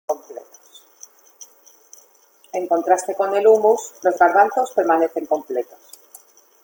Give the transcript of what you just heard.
En contraste con el hummus, los garbanzos permanecen completos.